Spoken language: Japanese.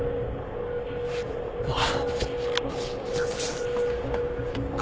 あっ。